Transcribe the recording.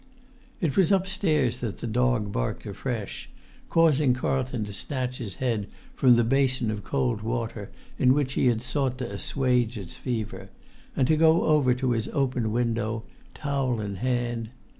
It was upstairs that the dog barked afresh, causing Carlton to snatch his head from the basin of cold water in which he had sought to assuage its fever, and to go over to his open window, towel in hand.